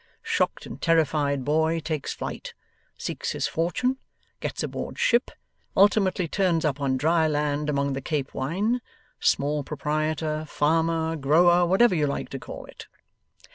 Shocked and terrified boy takes flight, seeks his fortune, gets aboard ship, ultimately turns up on dry land among the Cape wine: small proprietor, farmer, grower whatever you like to call it.